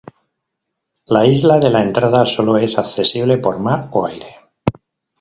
La Isla de la entrada solo es accesible por mar o aire.